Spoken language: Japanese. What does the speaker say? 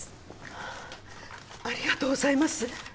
はぁありがとうございます。